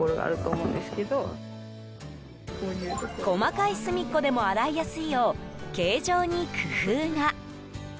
細かい隅っこでも洗いやすいよう、形状に工夫が。